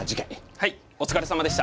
はいお疲れさまでした。